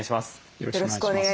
よろしくお願いします。